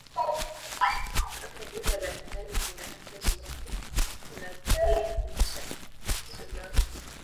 Kama gimba la angani lina uga sumaku kuna pia ncha sumaku.